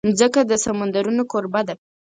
مځکه د سمندرونو کوربه ده.